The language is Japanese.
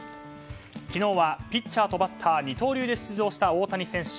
昨日はピッチャーとバッター二刀流で出場した大谷選手。